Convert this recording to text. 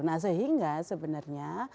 nah sehingga sebenarnya